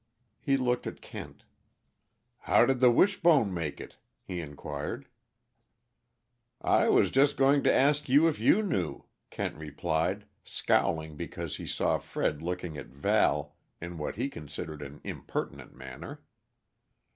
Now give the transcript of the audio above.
He looked at Kent. "How did the Wishbone make it?" he inquired. "I was just going to ask you if you knew," Kent replied, scowling because he saw Fred looking at Val in what he considered an impertinent manner.